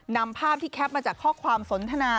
นำภาพที่แคปมาจากข้อความสนทนา